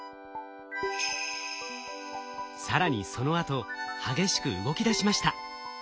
更にそのあと激しく動きだしました。